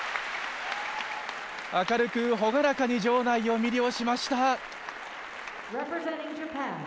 明るく朗らかに場内を魅了しました。